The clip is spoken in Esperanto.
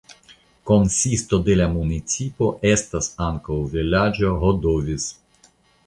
Konsisto de la municipo estas ankaŭ vilaĝo Hodoviz.